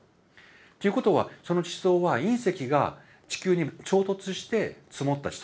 っていうことはその地層は隕石が地球に衝突して積もった地層じゃないかと。